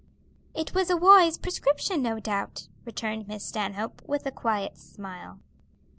"It was a wise prescription, no doubt," returned Miss Stanhope, with a quiet smile.